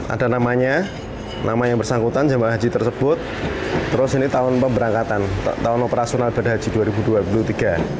ada namanya nama yang bersangkutan jemaah haji tersebut terus ini tahun pemberangkatan tahun operasional badan haji dua ribu dua puluh tiga